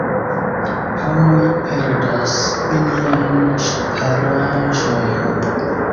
Homoj perdas iliajn ŝparaĵojn.